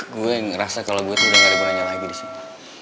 gue yang ngerasa kalau gue tuh udah gak ada gunanya lagi di sini